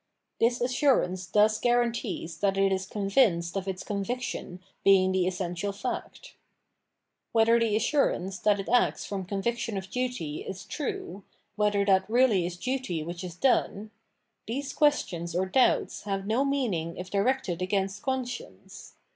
This assurance thus guarantees that it is convinced of its conviction being the essential fact. Whether the assurance, that it acts from conviction of duty, is true, whether that really is duty which is done — these questions or doubts have no meaning if Conscience 663 directed against conscience.